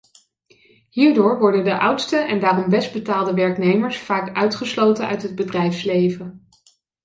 Hierdoor worden de oudste en daarom best betaalde werknemers vaak uitgesloten uit het bedrijfsleven.